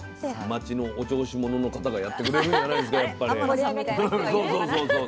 町のお調子者の方がやってくれるんじゃないですかやっぱり。